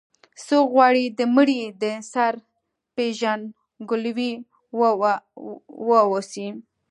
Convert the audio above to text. څوک غواړي د مړي د سر پېژندګلوي واوسي.